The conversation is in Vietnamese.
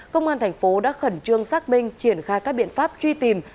công an thành phố đã khẩn trương xác minh triển khai các biện pháp truy tìm